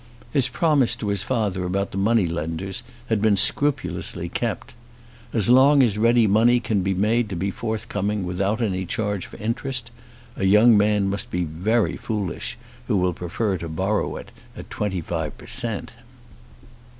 His promise to his father about the money lenders had been scrupulously kept. As long as ready money can be made to be forthcoming without any charge for interest, a young man must be very foolish who will prefer to borrow it at twenty five per cent.